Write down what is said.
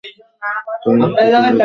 তোমরা এটা করে দেখিয়েছ।